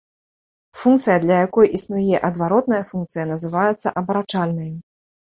Функцыя, для якой існуе адваротная функцыя, называецца абарачальнаю.